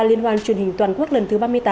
liên hoan truyền hình toàn quốc lần thứ ba mươi tám